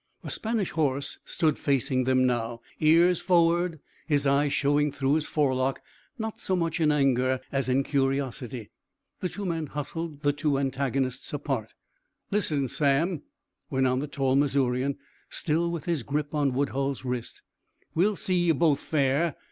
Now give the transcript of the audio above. The Spanish horse stood facing them now, ears forward, his eyes showing through his forelock not so much in anger as in curiosity. The men hustled the two antagonists apart. "Listen, Sam," went on the tall Missourian, still with his grip on Woodhull's wrist. "We'll see ye both fair.